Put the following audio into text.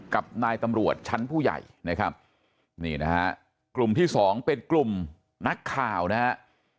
กับนายตำรวจชั้นผู้ใหญ่นะครับนี่นะฮะกลุ่มที่สองเป็นกลุ่มนักข่าวนะฮะ